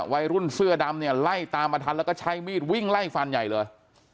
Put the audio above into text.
วัยรุ่นเสื้อดำเนี่ยไล่ตามมาทันแล้วก็ใช้มีดวิ่งไล่ฟันใหญ่เลย